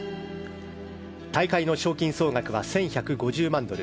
大会の賞金総額は１１５０万ドル